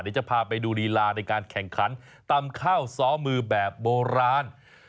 เดี๋ยวจะพาไปดูลีลาในการแข่งขันตำข้าวซ้อมือแบบโบราณ